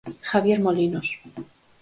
Javier Molinos.